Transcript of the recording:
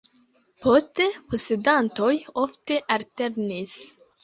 Poste posedantoj ofte alternis.